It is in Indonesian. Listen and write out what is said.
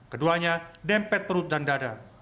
keduanya dempet perut dan dada